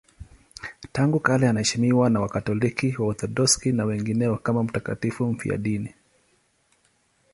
Tangu kale anaheshimiwa na Wakatoliki, Waorthodoksi na wengineo kama mtakatifu mfiadini.